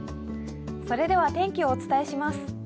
それでは天気をお伝えします。